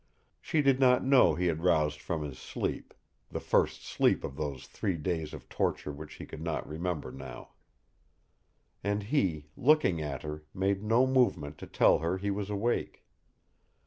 She did not know he had roused from his sleep the first sleep of those three days of torture which he could not remember now; and he, looking at her, made no movement to tell her he was awake.